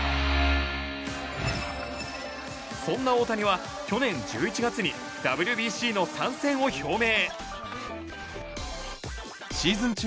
そんな大谷は去年１１月にＷＢＣの参戦を表明。